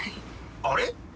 あれ？